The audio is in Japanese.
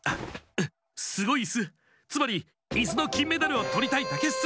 すごいイスつまりイスのきんメダルをとりたいだけッス。